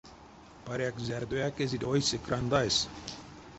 Паряк, зярдояк эзить ойсе крандазс.